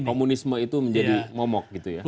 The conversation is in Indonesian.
wabah apa komunisme itu menjadi momok gitu ya